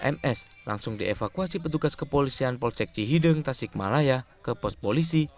ms langsung dievakuasi petugas kepolisian polsek cihideng tasikmalaya ke pos polisi